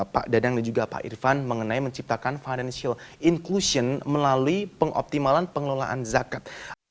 pak dadang dan juga pak irvan mengenai menciptakan financial inclusion melalui pengoptimalan pengelolaan zakat